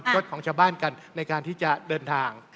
รถของชาวบ้านกันในการที่จะเดินทาง